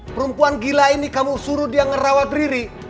perempuan gila ini kamu suruh dia ngerawat diri